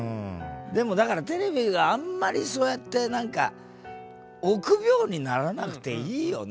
でもだからテレビがあんまりそうやって何か臆病にならなくていいよね。